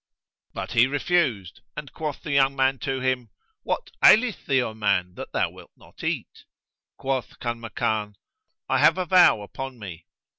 But he refused and quoth the young man to him, "What aileth thee, O man, that thou wilt not eat?" Quoth Kanmakan, "I have a vow upon me."